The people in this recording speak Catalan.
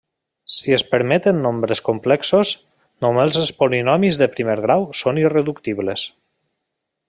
Si es permeten nombres complexos, només els polinomis de primer grau són irreductibles.